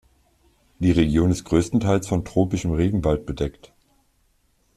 Die Region ist größtenteils von tropischem Regenwald bedeckt.